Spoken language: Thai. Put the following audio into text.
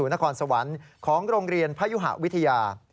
๔๐๐๓๐๐นครสวรรค์ของโรงเรียนพระยุหะวิทยา